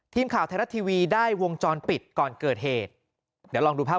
ทีมข่าวไทยรัฐทีวีได้วงจรปิดก่อนเกิดเหตุเดี๋ยวลองดูภาพ